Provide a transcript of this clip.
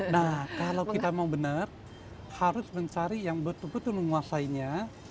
nah kalau kita mau benar harus mencari yang betul betul menguasainya